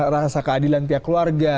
rasa keadilan pihak keluarga